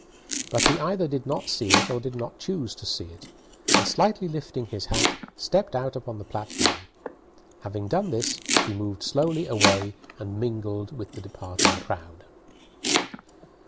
But he either did not see it or did not choose to see it, and, slightly lifting his hat, stepped out upon the platform. Having done this, he moved slowly away and mingled with the departing crowd.